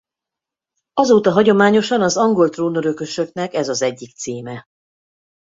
Azóta hagyományosan az angol trónörökösöknek ez az egyik címe.